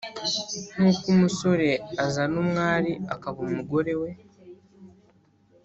Nk uko umusore azana umwari akaba umugore we